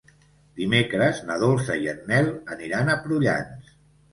Dimecres na Dolça i en Nel aniran a Prullans.